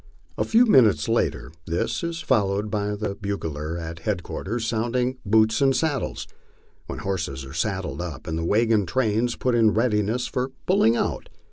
A few minutes later this is followed by the bugler at headquarters sounding * Boots and saddles," when horses are saddled up and the wagon train put in readiness for "pulling out."